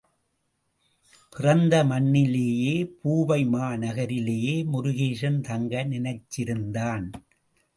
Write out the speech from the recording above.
பிறந்த மண்ணிலேயே பூவை மாநகரிலேயே முருகேசன் தங்க நினைச்சிருந்தான்.